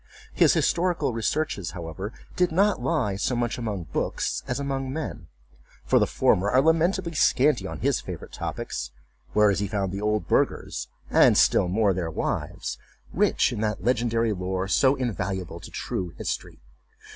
His historical researches, however, did not lie so much among books as among men; for the former are lamentably scanty on his favorite topics; whereas he found the old burghers, and still more their wives, rich in that legendary lore, so invaluable to true history.